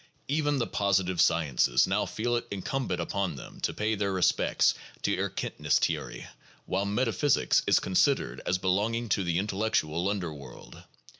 Even the positive sci ences now feel it incumbent upon them to pay their respects to Erkenntnistheorie, while metaphysics is considered as belonging to the intellectual underworld.